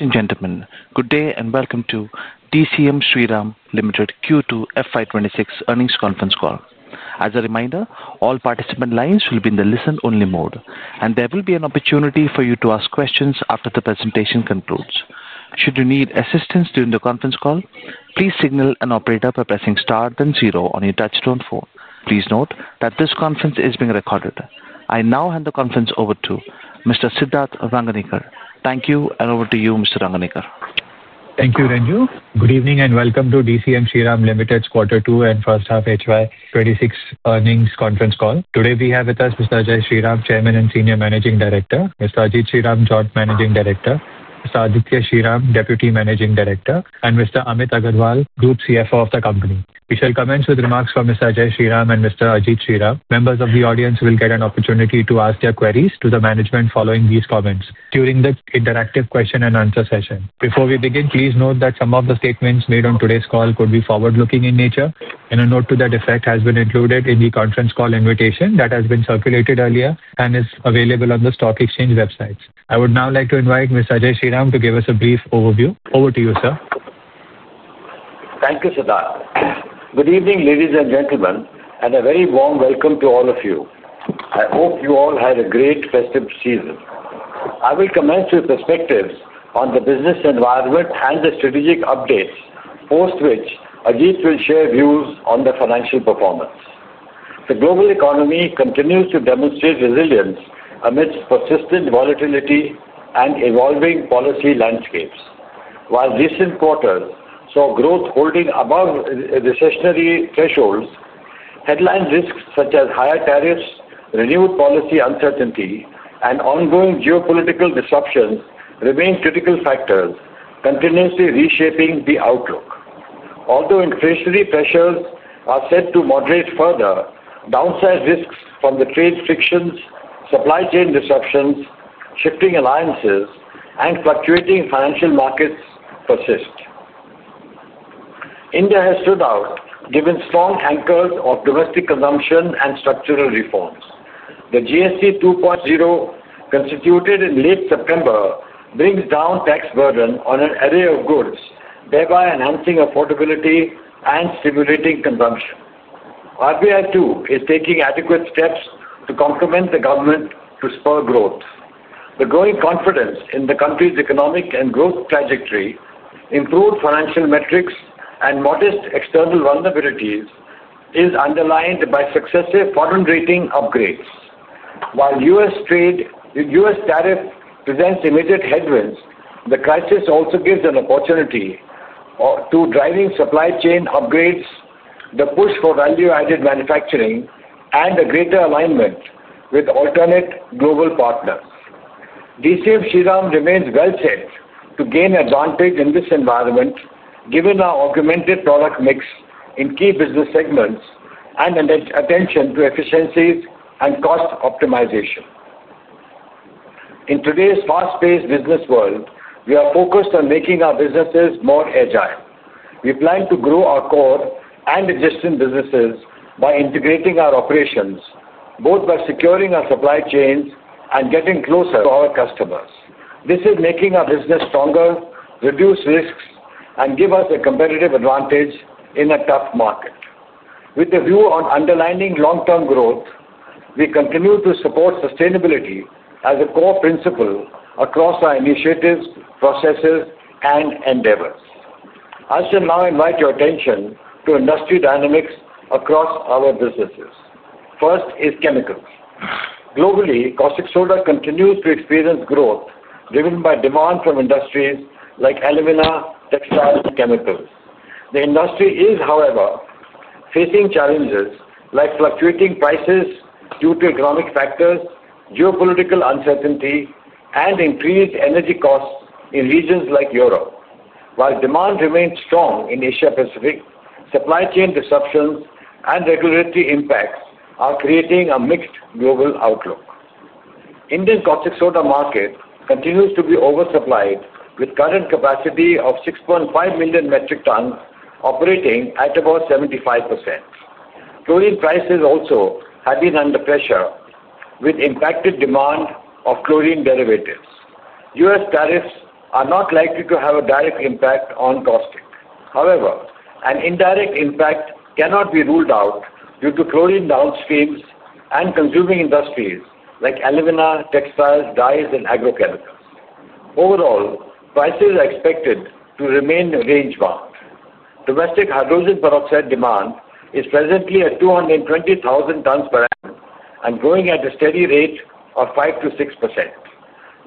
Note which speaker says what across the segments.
Speaker 1: Ladies and gentlemen, good day and welcome to DCM Shriram Ltd Q2 FY 2026 earnings conference call. As a reminder, all participant lines will be in the listen-only mode and there will be an opportunity for you to ask questions after the presentation concludes. Should you need assistance during the conference call, please signal an operator by pressing star and zero on your touch-tone phone. Please note that this conference is being recorded. I now hand the conference over to Mr. Siddharth Rangnekar. Thank you. Over to you, Mr. Rangnekar.
Speaker 2: Thank you, Ranju. Good evening and welcome to DCM Shriram Ltd's quarter two and first half FY 2026 earnings conference call. Today we have with us Mr. Ajay Shriram, Chairman and Senior Managing Director, Mr. Ajit Shriram, Joint Managing Director, Mr. Aditya Shriram, Deputy Managing Director, and Mr. Amit Agarwal, Group CFO of the company. We shall commence with remarks from Mr. Ajay Shriram and Mr. Ajit Shriram. Members of the audience will get an opportunity to ask their queries to the management following these comments during the interactive question and answer session. Before we begin, please note that some of the statements made on today's call could be forward-looking in nature. A note to that effect has been included in the conference call invitation that has been circulated earlier and is available on the stock exchange websites. I would now like to invite Mr. Ajay Shriram to give us a brief overview. Over to you, sir.
Speaker 3: Thank you, Siddharth. Good evening ladies and gentlemen and a very warm welcome to all of you. I hope you all had a great festive season. I will commence with perspectives on the business environment and the strategic updates, post which Ajit will share views on the financial performance. The global economy continues to demonstrate resilience amidst persistent volatility and evolving policy landscapes. While recent quarters saw growth holding above recessionary thresholds, headline risks such as higher tariffs, renewed policy uncertainty, and ongoing geopolitical disruptions remain critical factors continuously reshaping the outlook. Although inflationary pressures are set to moderate, further downside risks from the trade frictions, supply chain disruptions, shifting alliances, and fluctuating financial markets persist. India has stood out given strong anchors of domestic consumption and structural reforms. The GST 2.0 constituted in late September brings down tax burden on an array of goods, thereby enhancing affordability and stimulating consumption. RBI too is taking adequate steps to complement the government to spur growth. The growing confidence in the country's economic and growth trajectory, improved financial metrics, and modest external vulnerabilities is underlined by successive foreign rating upgrades. While U.S. tariff presents immediate headwinds, the crisis also gives an opportunity to driving supply chain upgrades, the push for value added manufacturing, and a greater alignment with alternate global partners. DCM Shriram remains well set to gain advantage in this environment given our augmented product mix in key business segments and attention to efficiencies and cost optimization. In today's fast-paced business world, we are focused on making our businesses more agile. We plan to grow our core and existing businesses by integrating our operations both by securing our supply chains and getting closer to our customers. This is making our business stronger, reduce risks, and give us a competitive advantage in a tough market. With a view on underlining long-term growth, we continue to support sustainability as a core principle across our initiatives, processes, and endeavors. I shall now invite your attention to industry dynamics across our businesses. First is chemicals. Globally, caustic soda continues to experience growth driven by demand from industries like alumina, textiles, and chemicals. The industry is, however, facing challenges like fluctuating prices due to economic factors, geopolitical uncertainty, and increased energy costs in regions like Europe, while demand remains strong in Asia Pacific. Supply chain disruptions and regulatory impacts are creating a mixed global outlook. Indian caustic soda market continues to be oversupplied with current capacity of 6.5 million metric tons operating at about 75%. Chlorine prices also have been under pressure with impacted demand of chlorine derivatives. U.S. tariffs are not likely to have a direct impact on caustic. However, an indirect impact cannot be ruled out due to chlorine downstreams and consuming industries like alumina, textiles, dyes, and agrochemicals. Overall, prices are expected to remain range bound. Domestic hydrogen peroxide demand is presently at 220,000 tons per annum and growing at a steady rate of 5%-6%.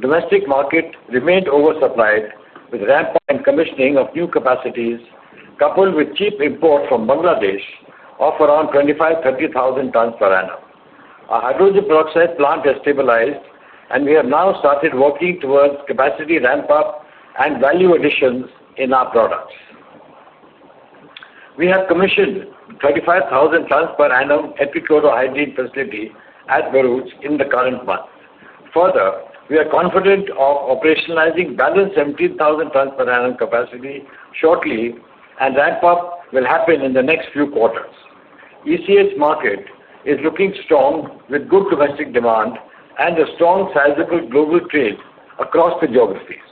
Speaker 3: Domestic market remained oversupplied with rampant commissioning of new capacities coupled with cheap import from Bangladesh of around 25,000-30,000 tons per annum. Our hydrogen peroxide plant has stabilized, and we have now started working towards capacity ramp up and value additions in our products. We have commissioned 35,000 tons per annum epichlorohydrin facility at Bharuch in the current month. Further, we are confident of operationalizing balanced 17,000 tons per annum capacity shortly, and ramp up will happen in the next few quarters. ECH market is looking strong with good domestic demand and a strong sizable global trade across the geographies.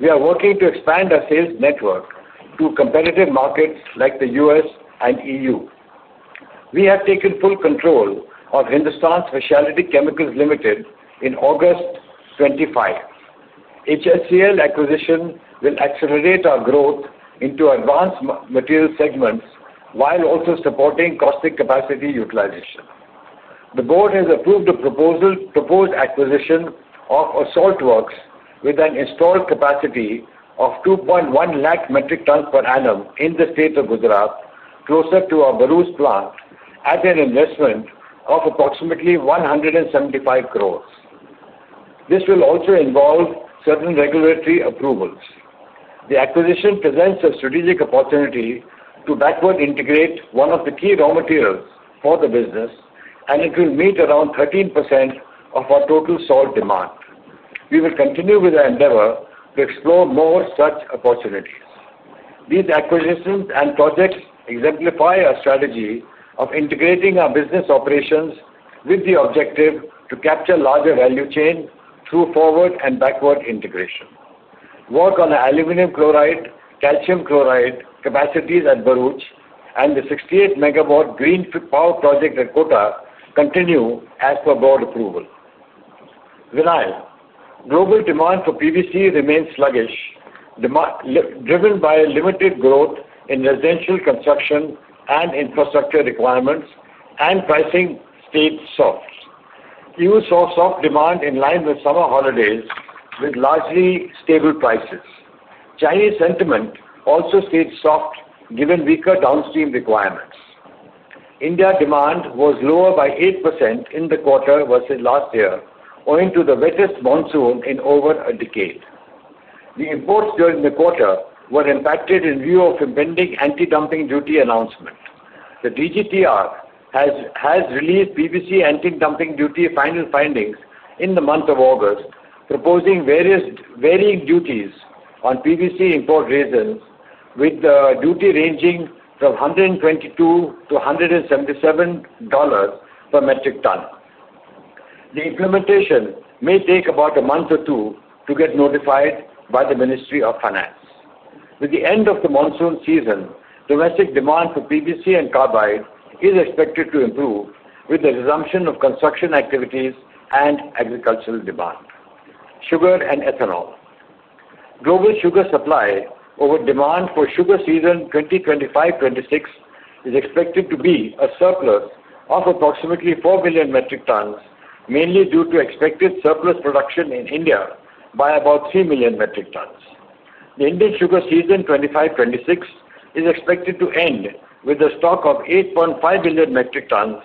Speaker 3: We are working to expand our sales network to competitive markets like the U.S. and EU. We have taken full control of Hindusthan Specialty Chemicals Ltd in August 2025. HSCL acquisition will accelerate our growth into advanced material segments while also supporting caustic capacity utilization. The Board has approved a proposed acquisition of a saltworks with an installed capacity of 210,000 metric tons per annum in the state of Gujarat, closer to our Bharuch plant, at an investment of approximately 175 crore. This will also involve certain regulatory approvals. The acquisition presents a strategic opportunity to backward integrate one of the key raw materials for the business, and it will meet around 13% of our total salt demand. We will continue with our endeavor to explore more such opportunities. These acquisitions and projects exemplify our strategy of integrating our business operations with the objective to capture larger value chain through forward and backward integration. Work on aluminum chloride, calcium chloride capacities at Bharuch and the 68 MW green power project at Kota continue as per Board approval. Vinyl global demand for PVC remains sluggish driven by limited growth in residential construction and infrastructure requirements, and pricing stayed soft. You saw soft demand in line with. Summer holidays with largely stable prices. Chinese sentiment also stayed soft given weaker downstream requirements. India demand was lower by 8% in the quarter versus last year owing to the wettest monsoon in over a decade. The imports during the quarter were impacted in view of impending anti-dumping duty announcement. The DGTR has released PVC anti-dumping duty final findings in the month of August proposing varying duties on PVC import resins with the duty ranging from $122-$177 per metric ton. The implementation may take about a month or two to get notified by the Ministry of Finance. With the end of the monsoon season, domestic demand for PVC and carbide is expected to improve with the resumption of construction activities and agricultural demand. Sugar and Ethanol Global sugar supply over demand for sugar season 2025-2026 is expected to be a surplus of approximately 4 million metric tons mainly due to expected surplus production in India by about 3 million metric tons. The Indian sugar season 2025-2026 is expected to end with a stock of 8.5 million metric tons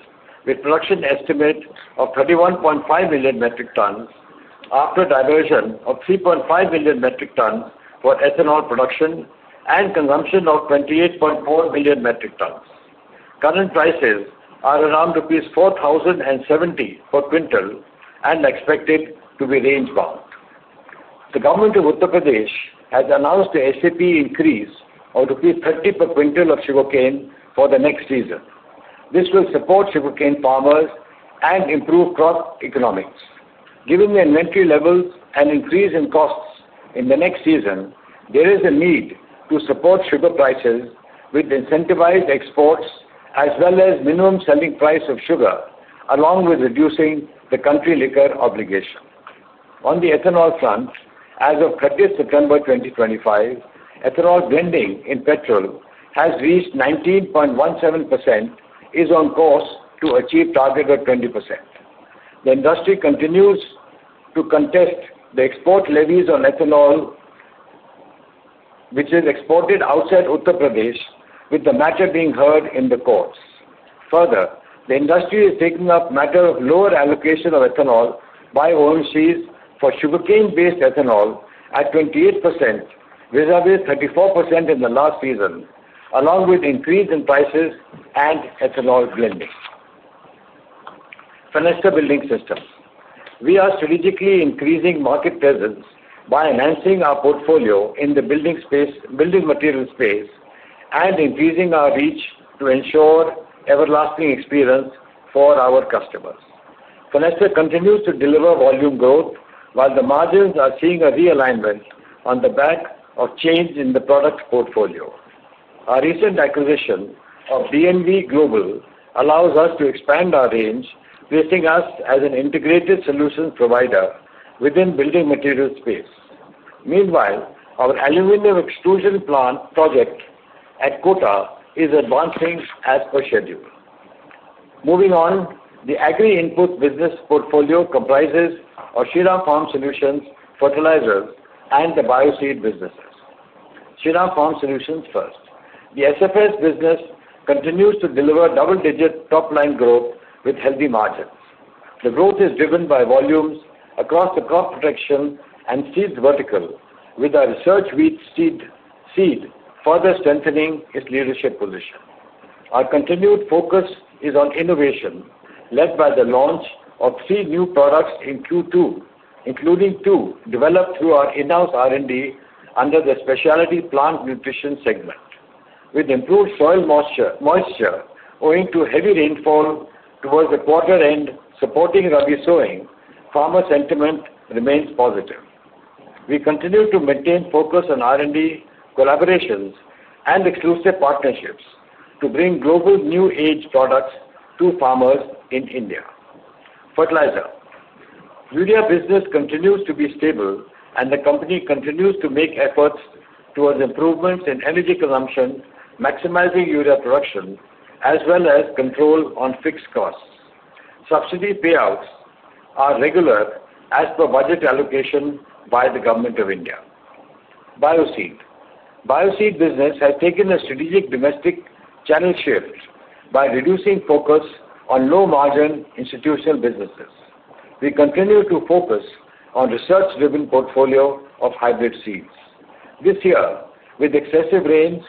Speaker 3: with production estimate of 31.5 million metric tons after diversion of 3.5 million metric tons for ethanol production and consumption of 28.4 million metric tons. Current prices are around 4,070 rupees per quintal and expected to be range bound. The Government of Uttar Pradesh has announced the SAP increase of 30 per quintal of sugarcane for the next season. This will support sugarcane farmers and improve crop economics. Given the inventory levels and increase in costs in the next season, there is a need to support sugar prices with incentivized exports as well as minimum selling price of sugar along with reducing the country liquor obligation. On the ethanol front, as of 30th September 2025, ethanol blending in petrol has reached 19.17% and is on course to achieve targeted 20%. The industry continues to contest the export levies on ethanol which is exported outside Uttar Pradesh with the matter being heard in the courts. Further, the industry is taking up the matter of lower allocation of ethanol by OMCs for sugarcane-based ethanol at 28% vis-à-vis 34% in the last season along with increase in prices and ethanol blending. Fenesta Building Systems We are strategically increasing market presence by enhancing our portfolio in the building material space and increasing our reach to ensure everlasting experience for our customers. Fenesta continues to deliver volume growth while the margins are seeing a realignment on the back of change in the product portfolio. Our recent acquisition of DNV Global allows us to expand our range, placing us as an integrated solutions provider within the building material space. Meanwhile, our aluminum extrusion plant project at Kota is advancing as per schedule. Moving on, the agri input business portfolio comprises Shriram Farm Solutions, Fertilizers, and the Bioseed businesses. Shriram Farm Solutions first, the SFS business continues to deliver double-digit top-line growth with healthy margins. The growth is driven by volumes across the crop protection and seeds vertical, with our research seed further strengthening its leadership position. Our continued focus is on innovation led by the launch of seed new products in Q2, including two developed through our in-house R&D under the specialty plant nutrition segment. With improved soil moisture owing to heavy rainfall towards the quarter end supporting Rabi sowing, farmer sentiment remains positive. We continue to maintain focus on R&D collaborations and exclusive partnerships to bring global new age products to farmers in India. Fertilizer urea business continues to be stable, and the company continues to make efforts towards improvements in energy consumption, maximizing urea production, as well as control on fixed costs. Subsidy payouts are regular as per budget allocation by the Government of India. Bioseed business has taken a strategic domestic channel shift by reducing focus on low margin institutional business. We continue to focus on research-driven portfolio of hybrid seeds. This year, with excessive rains,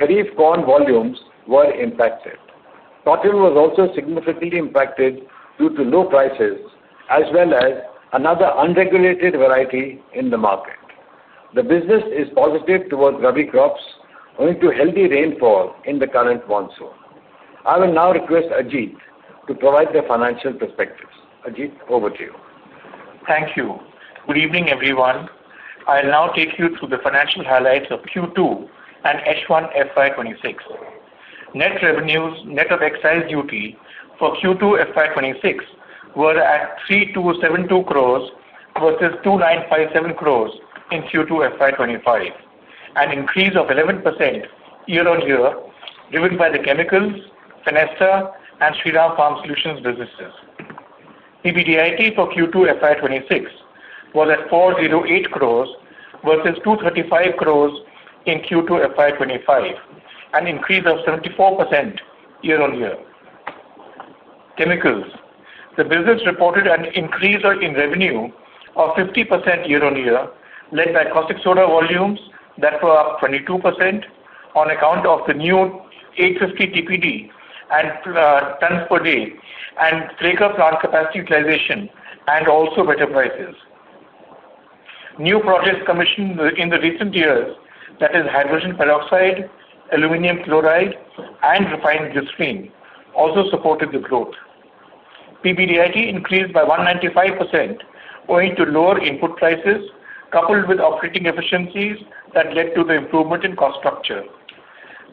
Speaker 3: Kharif corn volumes were impacted. Cotton was also significantly impacted due to low prices as well as another unregulated variety in the market. The business is positive towards Rabi crops owing to healthy rainfall in the current monsoon. I will now request Ajit to provide their financial perspectives. Ajit, over to you.
Speaker 4: Thank you. Good evening everyone. I'll now take you through the financial highlights of Q2 and H1 FY 2026. Net revenues net of excise duty for Q2 FY 2026 were at 3,272 crore versus 2,957 crore in Q2 FY 2025, an increase of 11% year-on-year driven by the Chemicals, Fenesta, and Shriram Farm Solutions businesses. EBITDA for Q2 FY 2026 was at 408 crore versus 235 crore in Q2 FY 2025, an increase of 74% year-on-year. Chemicals, the business, reported an increase in revenue of 50% year-on-year led by caustic soda volumes that were up 22% on account of the new 850 TPD, tons per day, and plant capacity utilization and also better prices. New projects commissioned in the recent years, that is, hydrogen peroxide, aluminum chloride, and refined glycerine, also supported the growth. EBITDA increased by 195% owing to lower input prices coupled with operating efficiencies that led to the improvement in cost structure.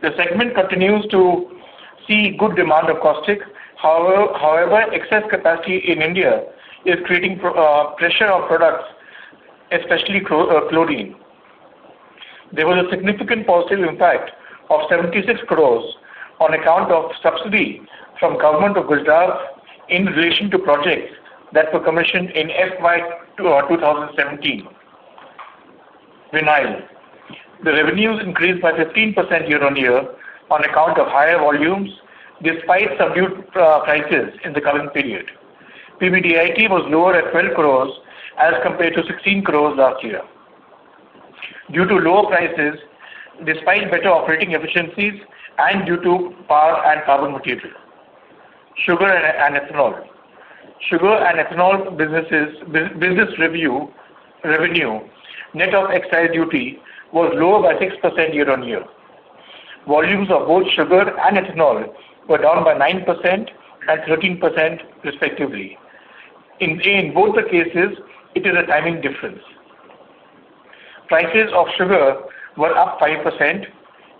Speaker 4: The segment continues to see good demand of caustic; however, excess capacity in India is creating pressure on products, especially chlorine. There was a significant positive impact of 76 crore on account of subsidy from Government of Gujarat in relation to projects that were commissioned in FY 2017. Vinyl, the revenues increased by 15% year-on-year on account of higher volumes despite subdued prices. In the current period, EBITDA was lower at 12 crore as compared to 16 crore last year due to lower prices despite better operating efficiencies and due to power and carbon material. Sugar and ethanol, Sugar and Ethanol businesses, business review, revenue net of excise duty was lower by 6% year-on-year. Volumes of both sugar and ethanol were down by 9% and 13% respectively; in both the cases it is a timing difference. Prices of sugar were up 5%.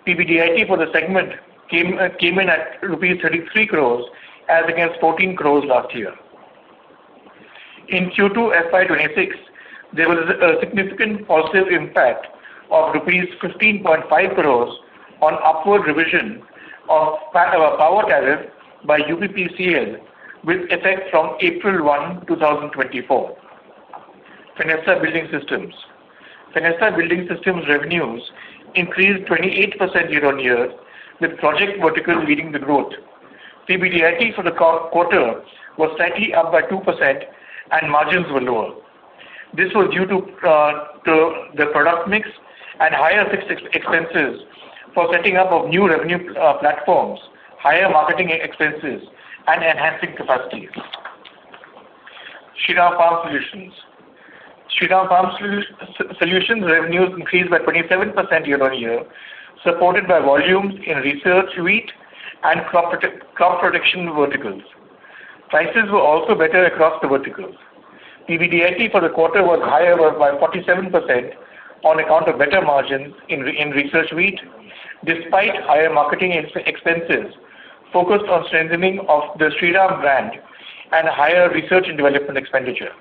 Speaker 4: EBITDA for the segment came in at rupees 33 crore as against 14 crore last year. In Q2 FY 2026, there was a significant positive impact of rupees 15.5 crore on upward revision of power tariff by UPPCL with effect from April 1, 2024. Fenesta Building Systems, Fenesta Building Systems revenues increased 28% year-on-year with project vertical leading the growth. EBITDA for the quarter was slightly up by 2% and margins were lower. This was due to the product mix and higher fixed expenses for setting up of new revenue platforms, higher marketing expenses, and enhancing capacities. Shriram Farm Solutions, Shriram Farm Solutions revenues increased by 27% year-on-year supported by volumes in research wheat and crop production verticals. Prices were also better across the verticals. PBDIT for the quarter was higher by 47% on account of better margin in research wheat. Despite higher marketing expenses focused on strengthening of the Shriram brand and higher research and development expenditure,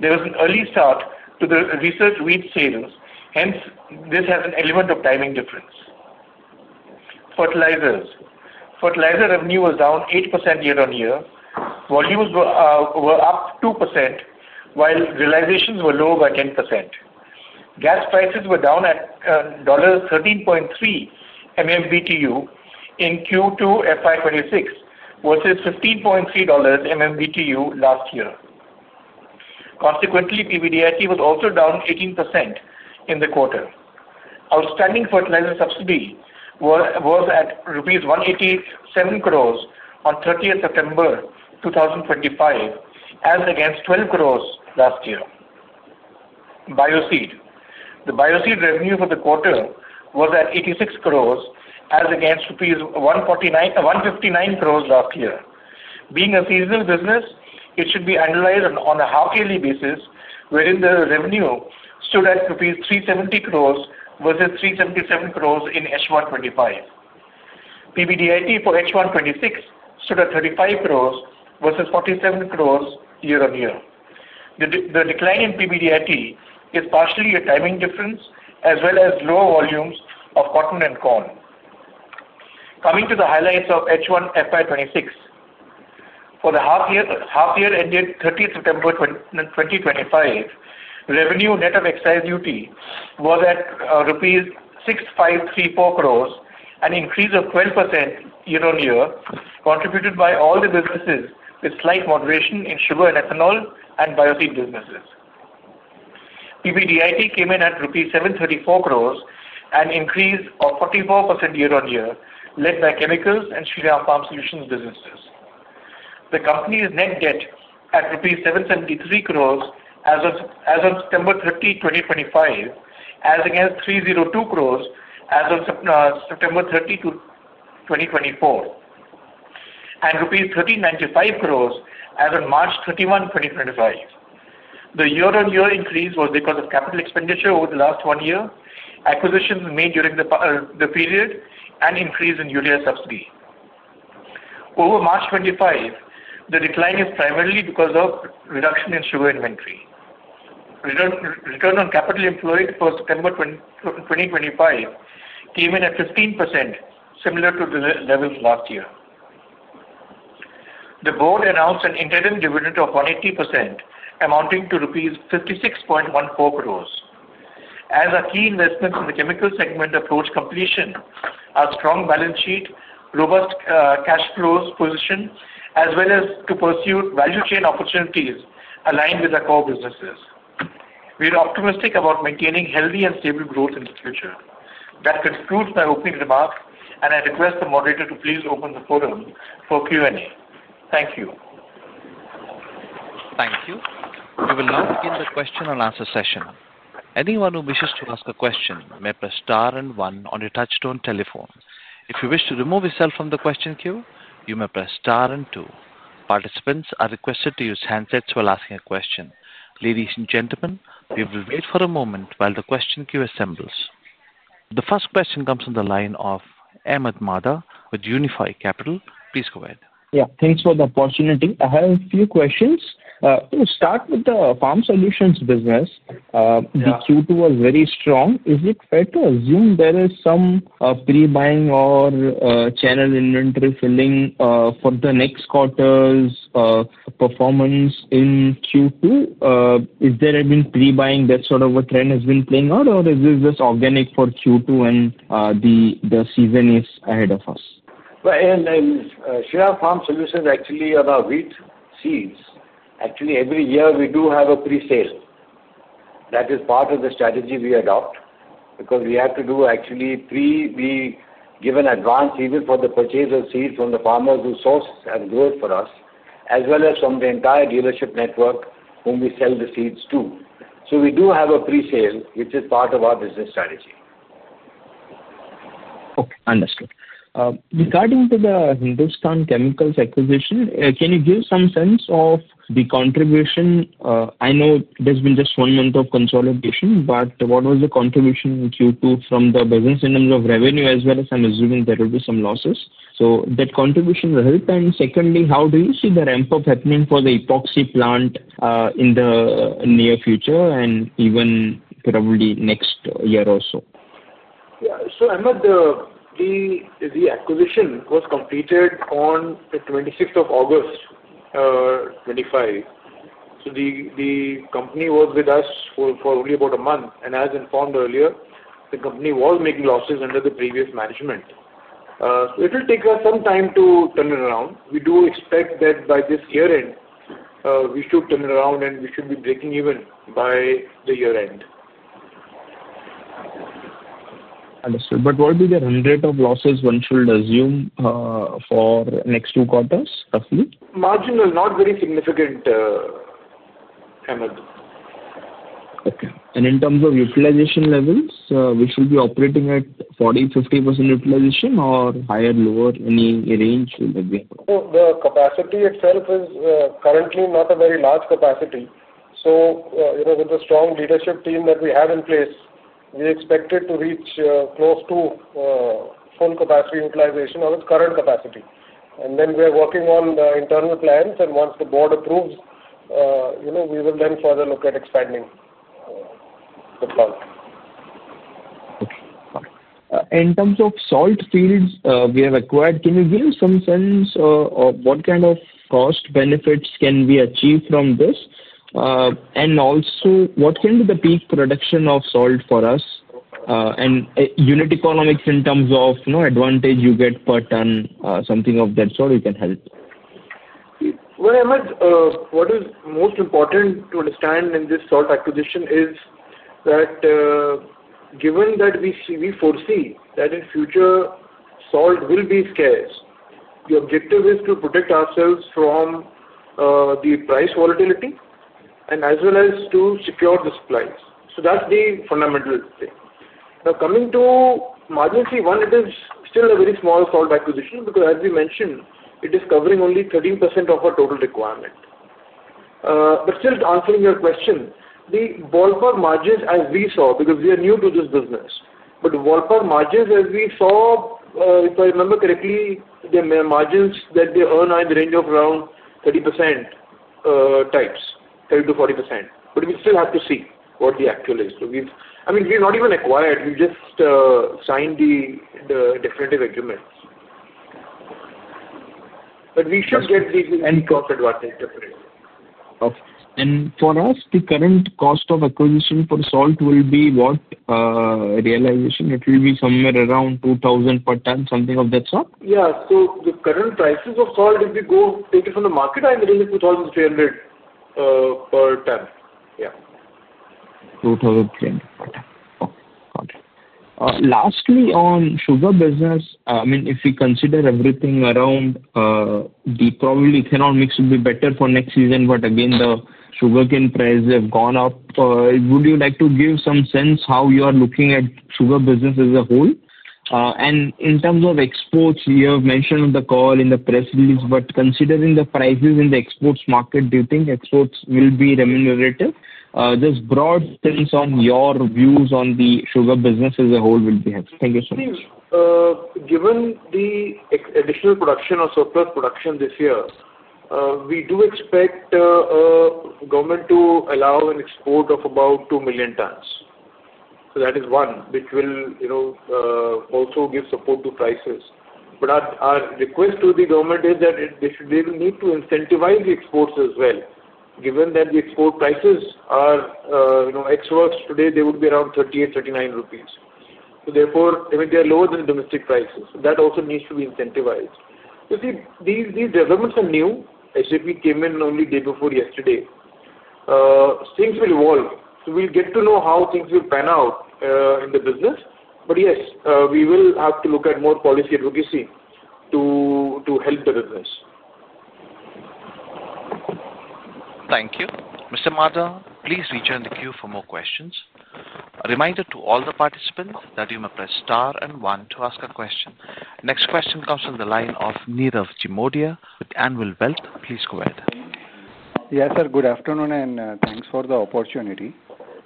Speaker 4: there was an early start to the research wheat sales. Hence, this has an element of timing difference. Fertilizers revenue was down 8% year-on-year. Volumes were up 2% while realizations were low by 10%. Gas prices were down at $13.3/MMBtu in Q2 FY 2026 versus $15.3/MMBtu last year. Consequently, PBDIT was also down 18% in the quarter. Outstanding fertilizer subsidy was at rupees 187 crore on 30th September 2025 as against 12 crore last year. Bioseed revenue for the quarter was at 86 crore as against 159 crore last year. Being a seasonal business, it should be analyzed on a half yearly basis wherein the revenue stood at rupees 370 crore versus 377 crore in H1 FY 2025. PBDIT for H1 FY 2026 stood at 35 crore versus 47 crore year-on-year. The decline in PBDIT is partially a timing difference as well as lower volumes of cotton and corn. Coming to the highlights of H1 FY 2026 for the half year ended 30th September 2025, revenue net of excise duty was at rupees 6,534 crore, an increase of 12% year-on-year contributed by all the businesses, with slight moderation in Sugar and Ethanol and Bioseed businesses. PBDIT came in at rupees 734 crore, an increase of 44% year-on-year led by chemicals and Shriram Farm Solutions businesses. The company's net debt at INR 773 crore as of September 30, 2025 as against 302 crore as of September 30, 2024 and INR 1,395 crore as on March 31, 2025. The year-on-year increase was because of capital expenditure over the last one year, acquisitions made during the period, and increase in ultra subsidy over March 2025. The decline is primarily because of reduction in sugar inventory. Return on capital employed for September 2025 came in at 15%, similar to the levels last year. The board announced an interim dividend of 180% amounting to rupees 56.14 crore. As our key investments in the chemical segment approach completion, our strong balance sheet, robust cash flows position, as well as to pursue value chain opportunities aligned with our core businesses, we are optimistic about maintaining healthy and stable growth in the future. That concludes my opening remarks and I request the moderator to please open the forum for Q&A. Thank you.
Speaker 1: Thank you. We will now begin the question and answer session. Anyone who wishes to ask a question may press star and one on your touchstone telephone. If you wish to remove yourself from the question queue, you may press star and two. Participants are requested to use handsets while asking a question. Ladies and gentlemen, we will wait for a moment while the question queue assembles. The first question comes on the line of Ahmed Madha with Unifi Capital. Please go ahead.
Speaker 5: Yeah, thanks for the opportunity. I have a few questions to start with the Shriram Farm Solutions business. The Q2 was very strong. Is it? I assume there is some pre-buying or channel inventory filling for the next quarter's performance in Q2. Has there been pre-buying? That sort of a trend has been playing out, or is this organic for Q2 and the season is ahead of us?
Speaker 3: Shriram Farm Solutions actually are wheat seeds. Every year we do have a presale that is part of the strategy we adopt because we have to do three. We give an advance even for the purchase of seeds from the farmers who source and grow it for us as well as from the entire dealership network whom we sell the seeds to. We do have a presale which is part of our business strategy.
Speaker 5: Okay, understood. Regarding the Hindusthan Chemicals acquisition, can you give some sense of the contribution? I know there's been just one month of consolidation, but what was the contribution in Q2 from the business in terms of revenue as well as I'm assuming there will be some losses, so that contribution will help. Secondly, how do you see the ramp up happening for the epoxy plant in the near future and even probably. Next year or so?
Speaker 4: Ahmed, the acquisition was completed on. The 26th of August 2025. The company was with us for only about a month, and as informed earlier, the company was making losses under the previous management. It will take us some time to turn it around. We do expect that by this year. We should turn around and we. Should be breaking even by the year end.
Speaker 5: Understood. What will be the run rate of losses? One should assume for next two quarters. Roughly
Speaker 3: marginal, not very significant. Ahmed.
Speaker 5: Okay. In terms of utilization levels, we should be operating at 40%, 50% utilization or higher, lower, any range.
Speaker 3: The capacity itself is currently not a very large capacity. With a strong leadership team that we have in place, we expect it to reach close to full capacity utilization of its current capacity. We are working on the internal plans. Once the board approves, we will then further look at expanding the pump.
Speaker 5: In terms of salt fields we have acquired, can you give some sense of what kind of cost benefits can we achieve from this? Also, what can be the peak production of salt for us? Unit economics in terms of advantage you get per ton, something of that.
Speaker 3: Ahmed, what is most important to. Understand in this salt acquisition is that. Given that we see, we foresee that in future salt will be scarce. Objective is to protect ourselves from the. Price volatility as well as to secure the supplies. That's the fundamental thing. Now coming to marginality, one, it is. Still a very small salt acquisition, because. As we mentioned, it is covering only 13% of our total requirement. Still, answering your question, the ballpark. Margins as we saw, because we are. New to this business, but lower margins. As we saw, if I remember correctly, the margins that they earn are in. The range of around 30% types, 30%-40%. We still have to see what the actual is. I mean, we're not even acquired, we. Just signed the definitive agreements. We should get any cost advantage.
Speaker 5: For us, the current cost of acquisition for salt will be what realization? It will be somewhere around 2,000 per ton, something of that sort.
Speaker 3: Yeah. The current prices of salt, if you go take it from the market. I'm getting 2,300 per ton. Yeah.
Speaker 5: Lastly, on sugar business, if we consider everything around, the probability economics would be better for next season. Again, the sugar cane prices have gone up. Would you like to give some sense. How you are looking at kids' sugar. Business as a whole and in terms of exports. You have mentioned the call in the press release. Considering the prices in the exports market, do you think exports will be remunerative? This broad sense on your views on the sugar business as a whole will be. Thank you, sir.
Speaker 3: Given the additional production or surplus production. This year, we do expect government to allow an export of about 2 million tons. That is one which will also. Give support to prices. Our request to the government is that they will need to incentivize the exports as well. Given that the export prices are ex-works today, they would be around 38-39 rupees. Therefore, they are lower than domestic prices. That also needs to be incentivized. These developments are new. SAP came in only day before yesterday. Things will evolve, so we'll get to. Know how things will pan out in the business. Yes, we will have to look at more policy advocacy to help the business.
Speaker 1: Thank you, Mr. Madha. Please rejoin the queue for more questions. A reminder to all the participants that you may press Star and one to ask a question. Next question comes from the line of Nirav Jimudia with Anvil Wealth. Please go ahead.
Speaker 6: Yes sir. Good afternoon and thanks for the opportunity.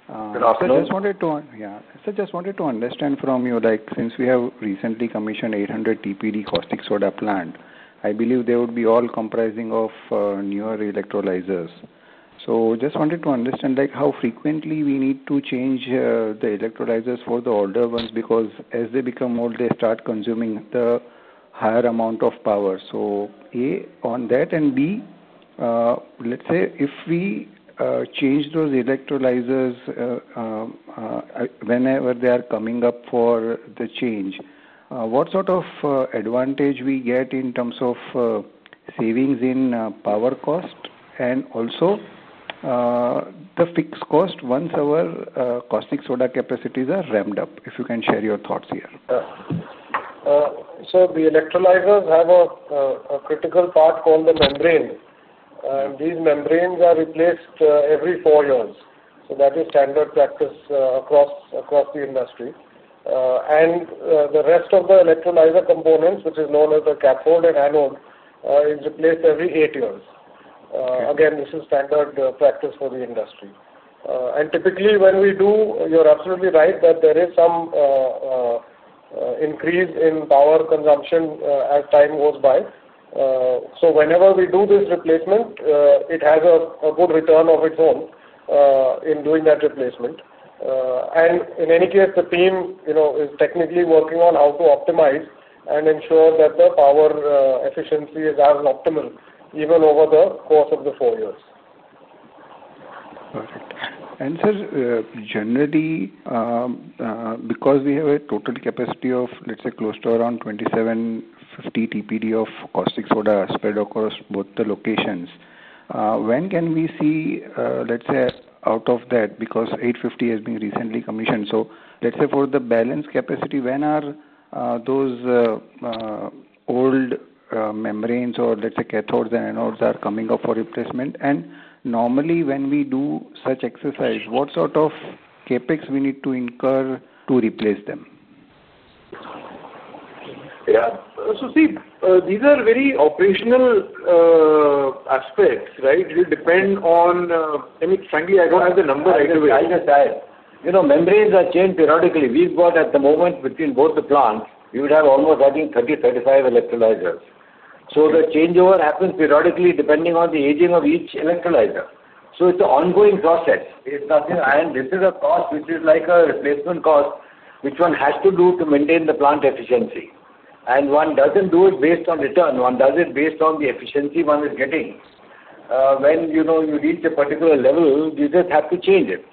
Speaker 6: I just wanted to understand from you, since we have recently commissioned the 800 TPD caustic soda plant, I believe they would be all comprising of newer electrolyzers. I just wanted to understand how frequently we need to change the electrolyzers for the older ones because as they become old they start consuming a higher amount of power. On that, and if we change those electrolyzers whenever they are coming up for the change, what sort of advantage do we get in terms of savings in power cost? Also. The fixed cost once our caustic soda capacities are ramped up, if you can share your thoughts here.
Speaker 3: The electrolysers have a critical part called the membrane, and these membranes are replaced every four years. That is standard practice across the industry, and the rest of the electrolyzer components, which is known as the cathode as well as the anode, is replaced every eight years. Again, this is standard practice for the industry. You're absolutely right that there is some increase in power consumption as time goes by. Whenever we do this replacement, it has a good return of its own in doing that replacement. In any case, the team is technically working on how to optimize and ensure that the power efficiency is as optimal even over the course of the four years.
Speaker 6: Sir, generally because we have a total capacity of let's say close to around 2,750 TPD of caustic soda spread across both the locations, when can we see, let's say, out of that, because 850 has been recently commissioned, for the balance capacity, when are those old membranes or, let's say, cathodes and anodes coming up for replacement? Normally, when we do such exercise, what sort of CapEx do we need to incur to replace them?
Speaker 3: Yeah, see these are very operational aspects. Right. Will depend on, frankly I don't have the number right away.
Speaker 7: You know, membranes are changed periodically. We've got at the moment between both the plants you would have almost, I think, 30, 35 electrolyzers. The changeover happens periodically depending on the aging of each electrolyzer. It's an ongoing process and this. Is a cost, which is like a. Replacement cost which one has to do to maintain the plant efficiency. One doesn't do it based on return, one does it based on the efficiency one is getting. When you know you reach a particular level, you just have to change it.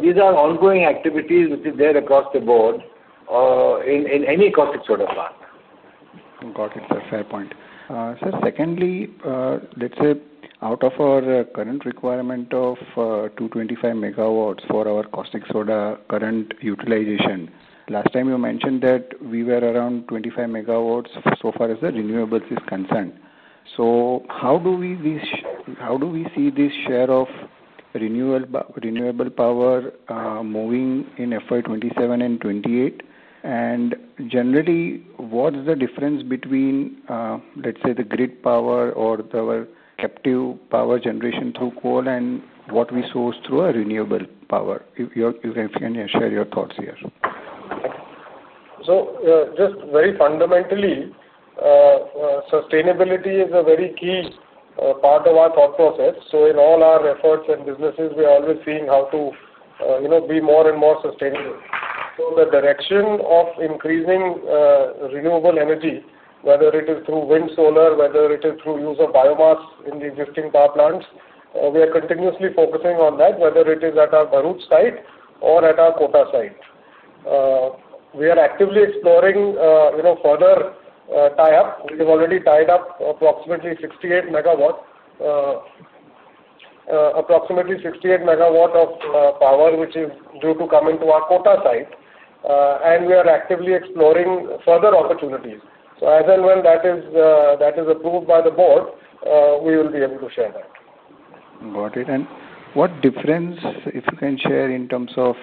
Speaker 7: These are ongoing activities which is there across the board in any caustic soda plant.
Speaker 6: Got it, sir. Fair point, sir. Secondly, let's say out of our current requirement of 225 megawatts for our caustic soda current utilization, last time you mentioned that we were around 25 megawatts so far as the renewables is concerned. How do we do this, how do. We see this share of renewable power moving in FY 2027 and 2028, and generally, what's the difference between, let's say, the grid power or our captive power generation through coal and what we source through renewable power? You can share your thoughts here.
Speaker 4: Fundamentally, sustainability is a very key part of our thought process. In all our efforts and businesses, we are always seeing how to be more and more sustainable. The direction of increasing renewable energy, whether it is through wind, solar, or whether it is through use of biomass in the existing power plants, we are continuously focusing on that. Whether it is at our Bharuch site or at our Kota site, we are actively exploring further tie up. We have already tied up approximately 68 MW, approximately 68 MW of power which is due to come into our Kota site. We are actively exploring further opportunities. As and when that is approved by the board, we will be able to share that.
Speaker 6: Got it. What difference, if you can share, in terms of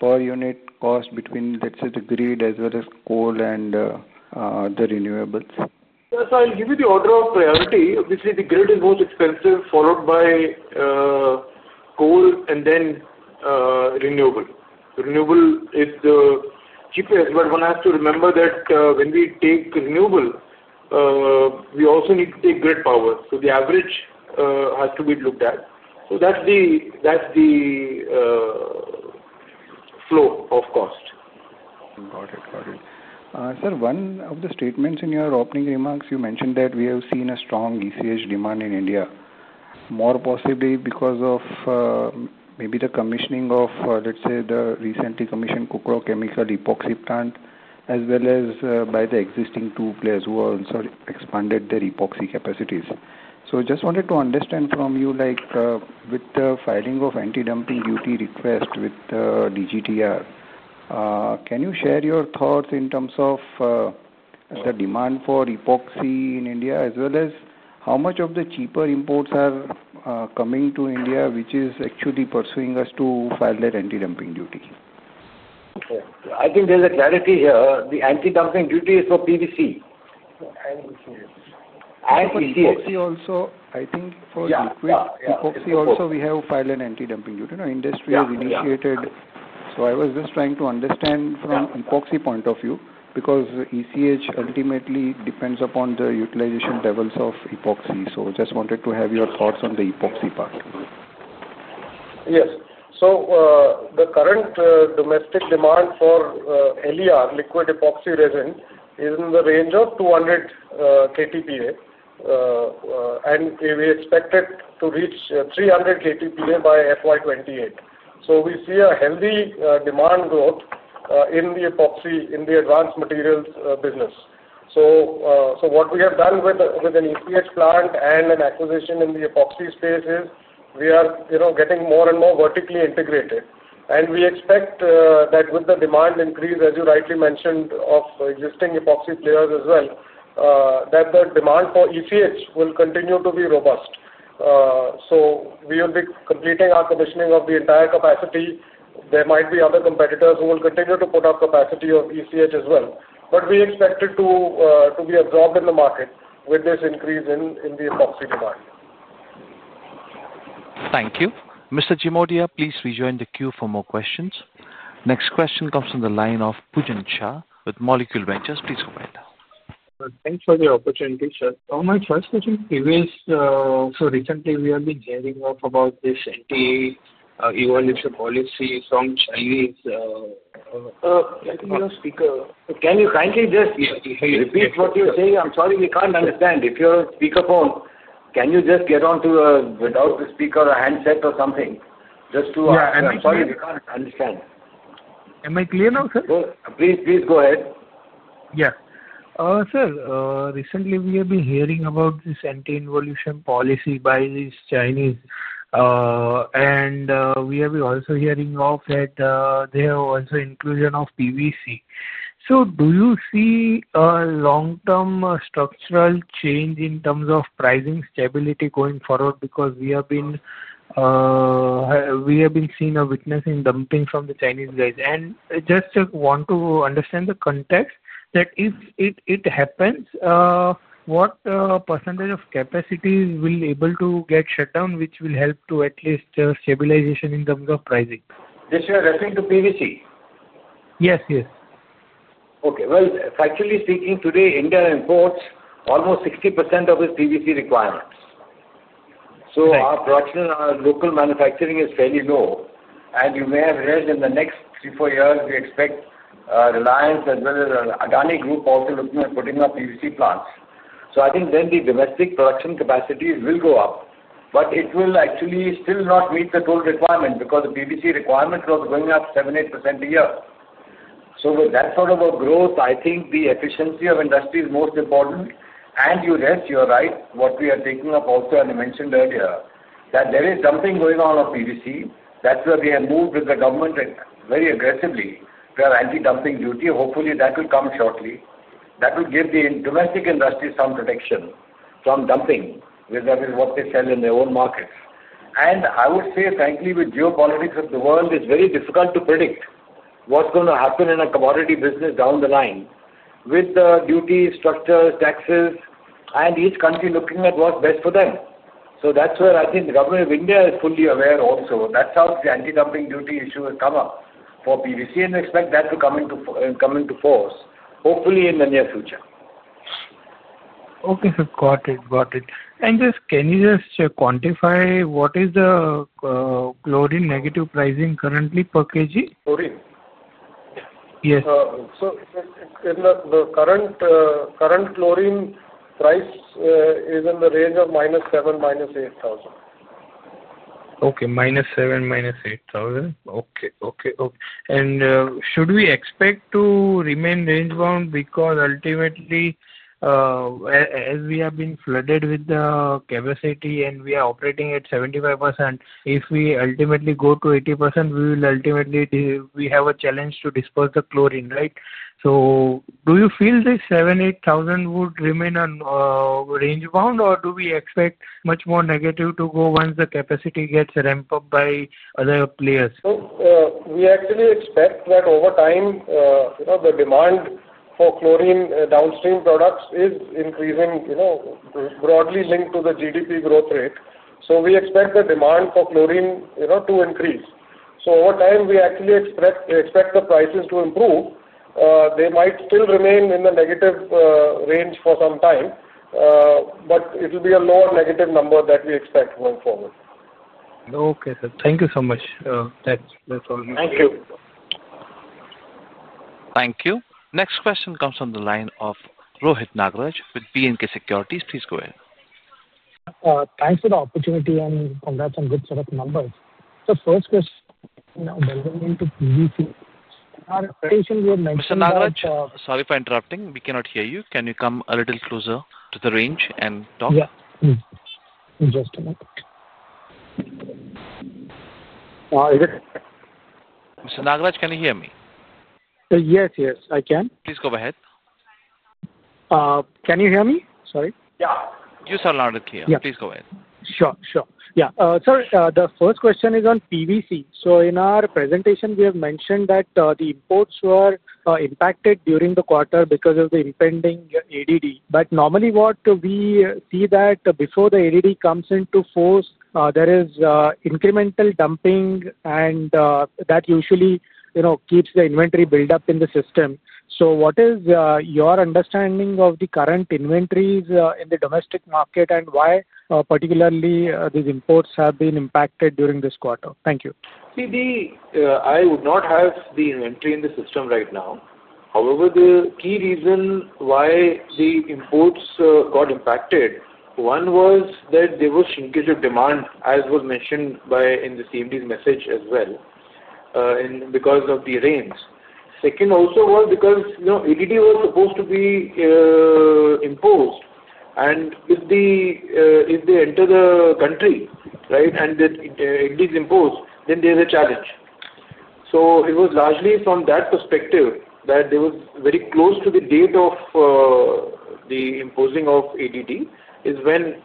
Speaker 6: per unit cost between let's say the grid as well as coal and the renewables?
Speaker 4: I'll give you. The order of priority. Obviously, the grid is most expensive, followed by coal, and then renewable is the cheapest. One has to remember that when. We take renewable, we also need to take grid power. The average has to be looked at. That's the flow of cost.
Speaker 6: Sir, one of the statements in your opening remarks, you mentioned that we have seen a strong ECH demand in India, more possibly because of maybe the commissioning of, let's say, the recently commissioned Cochin Epoxy plant as well as by the existing two players who also expanded their epoxy capacities. I just wanted to understand from you, with the filing of anti-dumping duty request with DGTR, can you share your thoughts in terms of the demand for epoxy in India as well as how much of the cheaper imports are coming to India which is actually pursuing us to file that anti-dumping duty?
Speaker 7: I think there's a clarity here. The anti-dumping duty is for PVC.
Speaker 6: Also, I think epoxy also we have filed an anti-dumping, you know, industry has initiated. I was just trying to understand from Epoxy point of view because ECH ultimately depends upon the utilization levels of epoxy. Just wanted to have your thoughts. On the Epoxy part.
Speaker 4: Yes, so the current domestic demand for LER liquid epoxy resin is in the range of 200 kilotons and we expect it to reach 300 kilotons by FY 2028. We see a healthy demand growth in the Epoxy in the advanced materials business. What we have done with an ECH plant and an acquisition in the Epoxy space is we are getting more and more vertically integrated and we expect that with the demand increase, as you rightly mentioned of existing epoxy players as well, the demand for ECH will continue to be robust. We will be completing our commissioning of the entire capacity. There might be other competitors who will continue to put up capacity of ECH as well. We expect it to be absorbed in the market with this increase in the epoxy demand.
Speaker 1: Thank you, Mr. Jimudia. Please rejoin the queue for more questions. Next question comes from the line of Pujan Shah with Molecule Ventures, please.
Speaker 8: Thanks for the opportunity. Sir, my first question, previously, so recently. We have been hearing about this. Anti-dumping policy from Chinese.
Speaker 3: Can you kindly just repeat what you're saying? I'm sorry, we can't understand if you're on speakerphone. Can you just get onto a handset or something, just to understand?
Speaker 8: Am I clear now?
Speaker 3: Sir, please go ahead.
Speaker 8: Yeah. Sir, recently we have been hearing about this anti-dumping policy by these Chinese and we have also been hearing that they are also including PVC. Do you see a long-term structural change in terms of pricing stability going forward? We have been witnessing dumping by the Chinese guys and just want to understand the context that if it happens, what percentage of capacity will be able to get shut down which will help to at least stabilize in terms of pricing.
Speaker 3: This you are referring to PVC?
Speaker 8: Yes, yes.
Speaker 3: Actually, speaking today, India imports almost 60% of its PVC requirements. Our production, our local manufacturing, is fairly low. You may have heard in the next three or four years we expect Reliance as well as Adani Group also looking at putting up PVC plants. I think then the domestic production capacity will go up, but it will actually still not meet the total requirement because the PVC requirement was going up 7%-8% a year. With that sort of a growth, I think the efficiency of industry is most important. You are right, what we are. Taking up also, as I mentioned earlier. There is something going on with PVC. That's where they have moved with the government very aggressively to have anti-dumping duty. Hopefully, that will come shortly. That will give the domestic industry some protection from dumping. That is what they sell in their own markets. I would say frankly with geopolitics of the world it's very difficult to predict what's going to happen in a commodity business down the line with the duties, structures, taxes, and each country looking at what's best for them. I think the government of India is fully aware; also, that's how the anti-dumping duty issue has come up for PVC and expect that to come into force hopefully in the near future.
Speaker 8: Okay, got it, got it. Can you just quantify what is the chlorine negative pricing currently per kg?
Speaker 4: Chlorine?
Speaker 8: Yes.
Speaker 4: The current chlorine price is in the range of -7,000, -8,000.
Speaker 8: Okay. - 7,000, -8,000. Okay. Okay. Should we expect to remain range bound because ultimately as we have been flooded with the capacity and we are operating at 75%? If we ultimately go to 80%, we will ultimately have a challenge to disperse the chlorine. Do you feel this 7,000-8,000 would remain range bound, or do we expect much more negative to go once the capacity gets ramped up by other players?
Speaker 4: We actually expect that over time the demand for chlorine downstream products is increasing, broadly linked to the GDP growth rate. We expect the demand for chlorine to increase. Over time, we actually expect the prices to improve. They might still remain in the negative range for some time, but it will be a lower negative number that we expect going forward.
Speaker 8: Okay, thank you so much.
Speaker 3: Thank you.
Speaker 1: Thank you. Next question comes from the line of Rohit Nagraj with B&K Securities. Please go in.
Speaker 9: Thanks for the opportunity and congrats on. Good set of numbers. The first question.
Speaker 1: Sorry for interrupting, we cannot hear you. Can you come a little closer to the range and talk?
Speaker 9: Yeah.
Speaker 1: Mr. Nagraj, can you hear me?
Speaker 9: Yes, yes I can.
Speaker 1: Please go ahead.
Speaker 9: Can you hear me? Sorry.
Speaker 1: Yeah, you sir. Louder and clear, please go ahead.
Speaker 9: Sure, sure. Yeah. The first question is on PVC. In our presentation, we have mentioned that the imports were impacted during the. Quarter because of the impending add. Normally what we see is that before the anti-dumping duties come into force, there is incremental dumping, and that usually keeps the inventory build-up in the system. What is your understanding of the current inventories in the domestic market, and why particularly have these imports been impacted during this quarter? Thank you.
Speaker 4: See, I would not have the inventory. In the system right now. However, the key reason why the imports. Got impacted. One was that there was shrinkage of demand, and as was mentioned in the CMD's message as well, because of the rains. Second also was because ADD was supposed. To be imposed if the if. They enter the country, right, and it is imposed, then there is a challenge. It was largely from that perspective that it was very close to the date of the imposition of ADD is when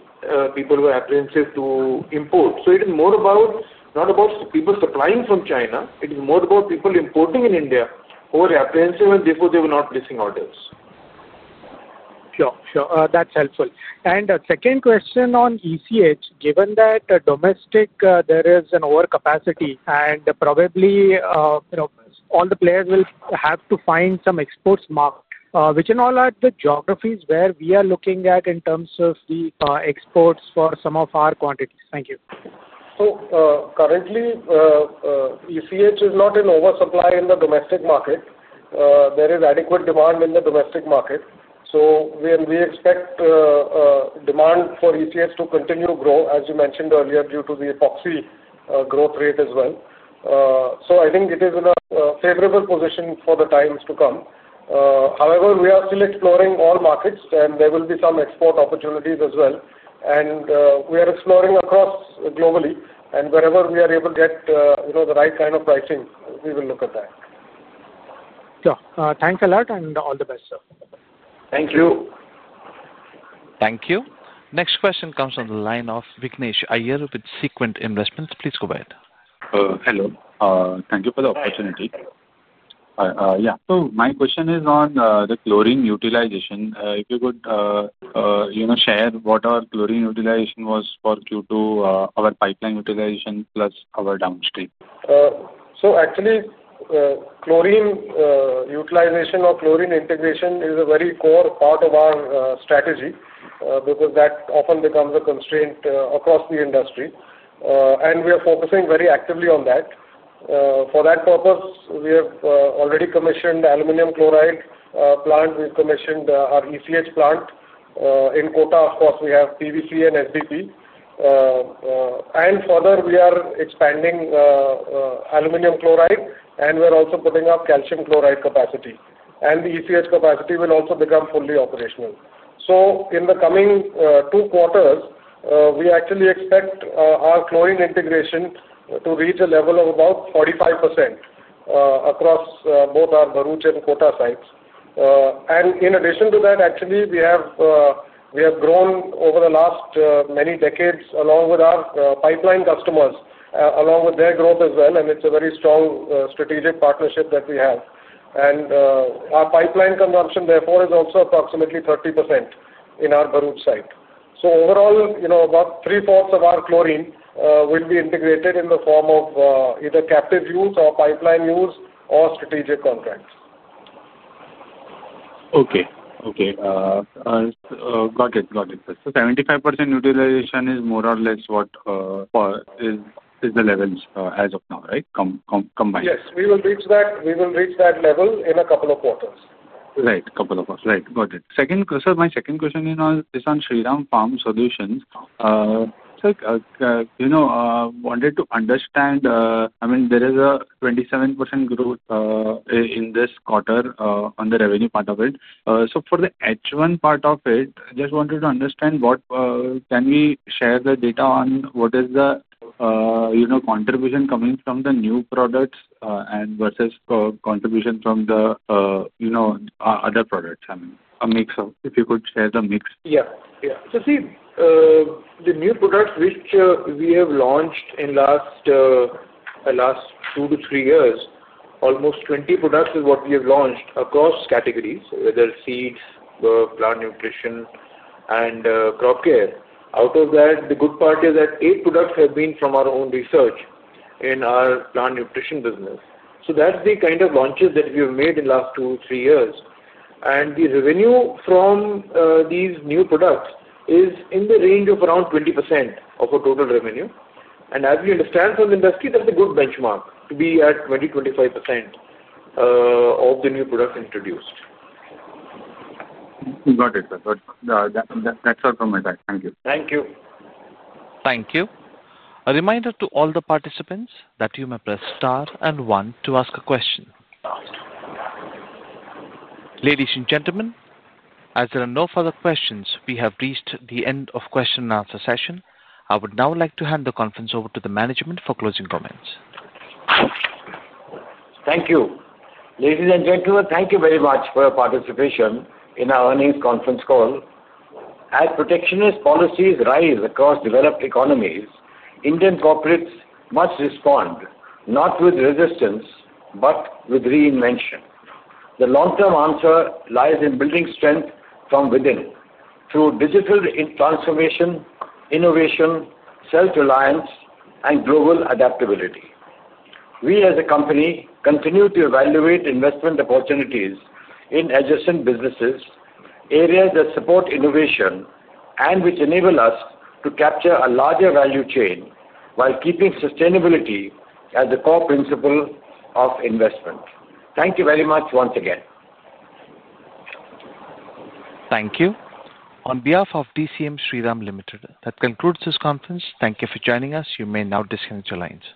Speaker 4: people were apprehensive to import. It is more about, not about. People supplying from China, it is more. About people importing in India over apprehensive. Therefore, they were not placing orders.
Speaker 9: Sure, that's helpful. A second question on ECH, given that domestically there is an overcapacity and probably all the players will have to find some export markets, which in all are the geographies where we are looking at in terms of the exports for some of our quantities. Thank you.
Speaker 4: Currently, ECH is not in oversupply in the domestic market. There is adequate demand in the domestic market. We expect demand for ECH to continue to grow, as you mentioned earlier, due to the epoxy growth rate as well. I think it is in a favorable position for the times to come. However, we are still exploring all markets, and there will be some export opportunities as well. We are exploring globally and wherever we are able to get the right kind of pricing, we will look at that.
Speaker 9: Thanks a lot and all the best, sir.
Speaker 3: Thank you.
Speaker 1: Thank you. Next question comes on the line of Vignesh Iyer of Sequent Investment. Please go ahead.
Speaker 10: Hello. Thank you for the opportunity. My question is on the chlorine utilization. If you could share what our chlorine utilization was for due to our pipeline utilization plus our downstream.
Speaker 4: Chlorine utilization or chlorine integration is a very core part of our strategy because that often becomes a constraint across the industry. We are focusing very actively on that for that purpose. We have already commissioned aluminum chloride plant. We have commissioned our ECH plant in Kota. Of course, we have PVC and SDP, and further, we are expanding aluminum chloride and we are also building up calcium chloride capacity, and the ECH capacity will also become fully operational. In the coming two quarters, we actually expect our chlorine integration to reach a level of about 45% across both our Bharuch and Kota sites. In addition to that, we have grown over the last many decades along with our pipeline customers, along with their growth as well. It's a very strong strategic partnership that we have. Our pipeline consumption therefore is also approximately 30% in our Bharuch site. Overall, about 3/4 of our chlorine will be integrated in the form of either captive use or pipeline use or strategic contracts.
Speaker 10: Okay, got it. 75% utilization is more or less what is the levels as of now, right. Combined?
Speaker 3: Yes, we will reach that. We will reach that level in a couple of quarters, right, couple of us.
Speaker 10: Right, got it. My second question is on Shriram Farm Solutions. You know, wanted to understand, I mean there is a 27% growth in this quarter on the revenue part of it. For the H1 part of it, just wanted to understand what can we share the data on what is the, you know, contribution coming from the new products versus contribution from the, you know, other products. I mean a mix of. If you could share the mix.
Speaker 4: Yeah, yeah. See the new products which we have launched in the last two to. Three years, almost 20 products is what. We have launched across categories, whether seeds, plant nutrition, crop care. Out of that, the good part is. Eight products have been from our own research in our plant nutrition business. That is the kind of launches that we have made in the last two, three years. The revenue from these new products is in the range of around 20% of our total revenue. As we understand from the industry, that's a good benchmark to be at. 20%, 25% of the new product introduced.
Speaker 10: Got it. That's all from my side. Thank you. Thank you.
Speaker 1: Thank you. A reminder to all the participants that you may press star and one to ask a question. Ladies and gentlemen, as there are no further questions, we have reached the end of the question and answer session. I would now like to hand the conference over to the management for closing comments.
Speaker 3: Thank you. Ladies and gentlemen, thank you very much for your participation in our earnings conference call. As protectionist policies rise across developed economies, Indian corporates must respond not with resistance, but with reinvention. The long-term answer lies in building strength from within through digital transformation, innovation, self-reliance, and global adaptability. We as a company continue to evaluate investment opportunities in adjacent businesses, areas that support innovation and which enable us to capture a larger value chain while keeping sustainability as the core principle of investment. Thank you very much once again.
Speaker 1: Thank you on behalf of DCM Shriram Ltd. That concludes this conference. Thank you for joining us. You may now disconnect your lines.